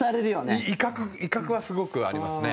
藤田：威嚇はすごくありますね。